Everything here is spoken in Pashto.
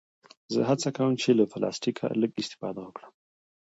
زه هڅه کوم چې له پلاستيکه لږ استفاده وکړم.